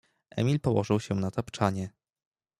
Emil położył się na tapczanie.